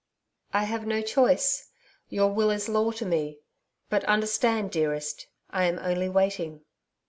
'I have no choice. Your will is law to me. But understand, dearest I am only waiting.'